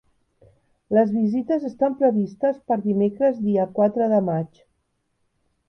Les visites estan previstes per dimecres dia quatre de maig.